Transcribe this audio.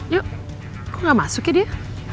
yuk kok gak masuk ya dia